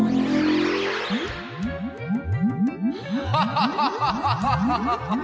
ハハハハハ！